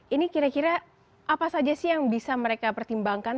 ini kira kira apa saja sih yang bisa mereka pertimbangkan